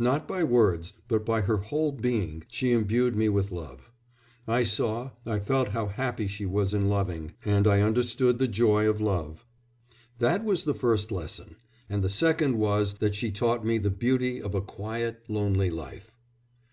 Not by words but by her whole being she imbued me with love. I saw, I felt how happy she was in loving, and I understood the joy of love. That was the first lesson. And the second was that she taught me the beauty of a quiet, lonely life."